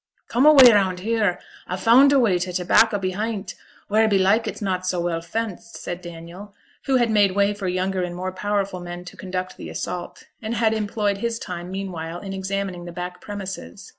'Come away round here! a've found a way to t' back o' behint, where belike it's not so well fenced,' said Daniel, who had made way for younger and more powerful men to conduct the assault, and had employed his time meanwhile in examining the back premises.